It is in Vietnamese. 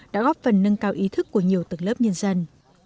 đã góp phần nâng cao ý thức của nhiều tầng lớp nhân dân